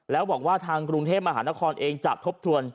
แล้วบอกว่าทางกรุงเทพมหานครเองจะทบทวน